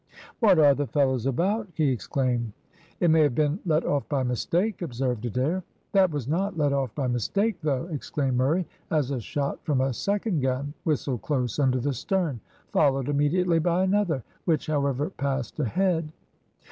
"What are the fellows about!" he exclaimed. "It may have been let off by mistake," observed Adair. "That was not let off by mistake, though," exclaimed Murray, as a shot from a second gun whistled close under the stern, followed immediately by another, which, however, passed ahead.